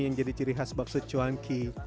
yang jadi ciri khas bakso cuanki